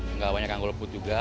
enggak banyak yang goleput juga